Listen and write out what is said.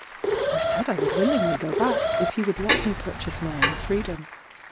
I said I would willingly go back, if he would let me purchase my own freedom.